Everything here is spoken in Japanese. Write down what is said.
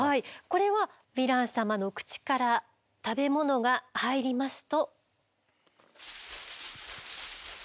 これはヴィラン様の口から食べ物が入りますと。